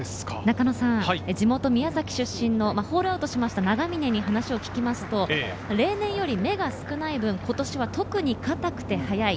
地元・宮崎出身のホールアウトした永峰に話を聞くと、例年より目が少ない分、今年は特に固くて速い。